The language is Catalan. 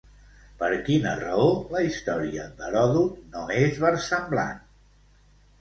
Per quina raó la història d'Heròdot no és versemblant?